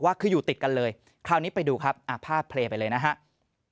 ว่าคืออยู่ติดกันเลยคราวนี้ไปดูครับอภาพไปเลยนะฮะตรง